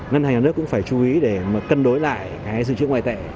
ngân hàng nhà nước cũng phải chú ý để cân đối lại sự chữa ngoại tệ